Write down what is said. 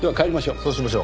そうしましょう。